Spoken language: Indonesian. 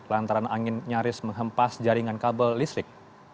lantaran angin nyaris menghempas jaringan kabel listrik